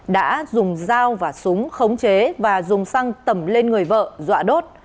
đã dùng dao và súng khống chế và dùng xăng tẩm lên người vợ dọa đốt